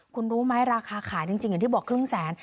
คุณรู้ไหมราคาขายจริงอย่างที่บอกครึ่งแสน